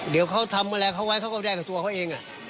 เดี๋ยวเขาทำอะไรเขาไว้เขาก็ได้กับตัวเขาเอง